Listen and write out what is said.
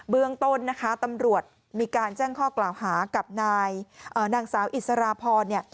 เบื้องต้นตำรวจมีการแจ้งข้อกล่าวหากับนางสาวอิสระพร